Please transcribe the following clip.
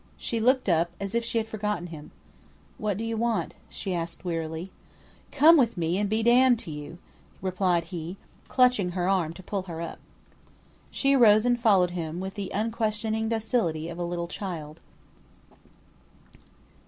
She looked up, as if she had forgotten him. "What do you want?" asked she, wearily. "Come with me, and be d d to you!" replied he, clutching her arm to pull her up. She arose and followed him, with the unquestioning docility of a little child.